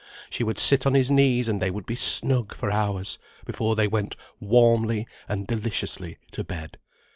She would sit on his knees and they would be snug for hours, before they went warmly and deliciously to bed.